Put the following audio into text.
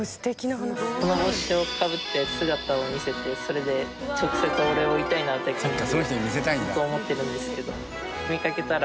この帽子をかぶって姿を見せてそれで直接お礼を言いたいなずっと思ってるんですけど。